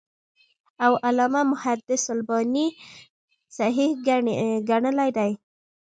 او علامه محدِّث الباني صحيح ګڼلی دی .